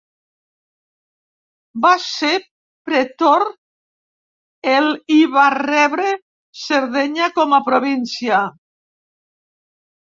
Va ser pretor el i va rebre Sardenya com a província.